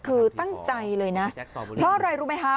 คือตั้งใจเลยนะเพราะอะไรรู้ไหมคะ